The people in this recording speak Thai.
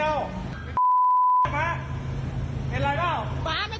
ไอ้บ้าเป็นอะไรเปล่า